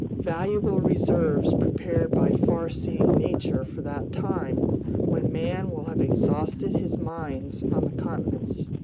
Valuable reserves prepared by farseeing nature for that time when man will have exhausted his mines on the continents.